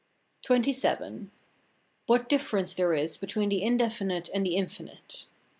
XXVII. What difference there is between the indefinite and the infinite.